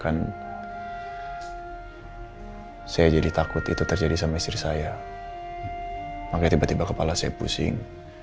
dan saya jadi takut itu terjadi sama istri saya makanya tiba tiba kepala saya pusing